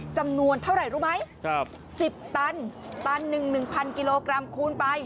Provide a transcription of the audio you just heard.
จำนวนเท่าไรรู้ไหมสิบตันตันหนึ่งหนึ่งพันกิโลกรัมคูณไป